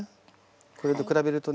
これと比べるとね。